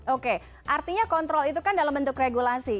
oke artinya kontrol itu kan dalam bentuk regulasi